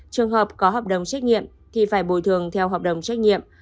trường hợp có hợp đồng trách nhiệm thì phải bồi thường theo hợp đồng trách nhiệm